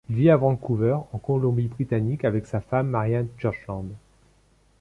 Il vit à Vancouver en Colombie-Britannique avec sa femme Marian Churchland.